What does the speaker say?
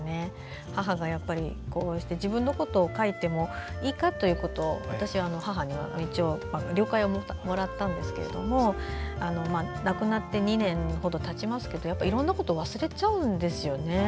母がこうして、自分のことを書いてもいいかというのを私は母には了解をもらったんですけども亡くなって２年ほどたちますけどいろんなことを忘れちゃうんですよね。